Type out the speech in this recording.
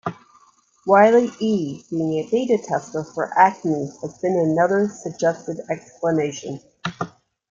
Wile E. being a "beta tester" for Acme has been another suggested explanation.